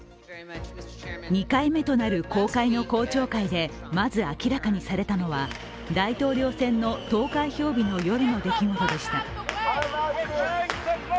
２回目となる公開の公聴会でまず明らかにされたのは大統領選の投開票日の夜の出来事でした。